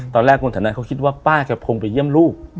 ตอนแรกคนแถวนั้นเขาคิดว่าป้าแกคงไปเยี่ยมลูก